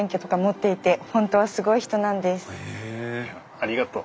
ありがとう。